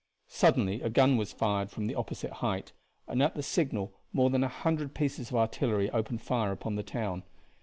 Suddenly a gun was fired from the opposite height, and at the signal more than a hundred pieces of artillery opened fire upon the town.